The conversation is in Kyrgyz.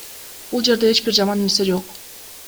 Бул жерде эч бир жаман нерсе жок.